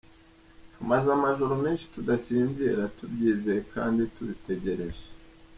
Twamaze amajoro menshi tudasinzira, tubyizeye kandi tubitegereje.